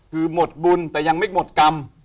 คือหมดบุญแต่ยังไม่หมดกรรม